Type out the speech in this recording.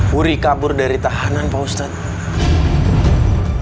wuri kabur dari tahanan pak ustadz